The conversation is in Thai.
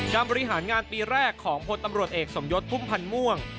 บริหารงานปีแรกของพลตำรวจเอกสมยศพุ่มพันธ์ม่วง